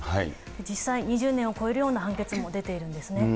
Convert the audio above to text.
実際２０年を超えるような判決も出ているんですね。